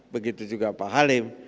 begitu juga pak halim